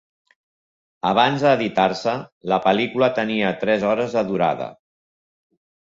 Abans d'editar-se, la pel·lícula tenia tres hores de durada.